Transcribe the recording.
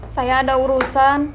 saya ada urusan